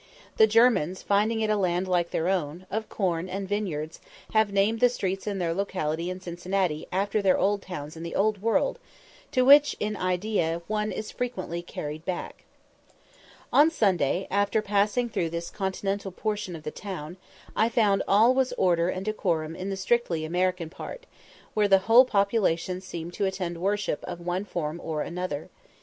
The Germans, finding it a land like their own, of corn and vineyards, have named the streets in their locality in Cincinnati after their towns in the Old World, to which in idea one is frequently carried back. On Sunday, after passing through this continental portion of the town, I found all was order and decorum in the strictly American part, where the whole population seemed to attend worship of one form or another.